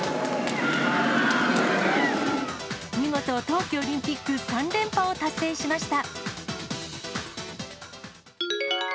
見事、冬季オリンピック３連覇を達成しました。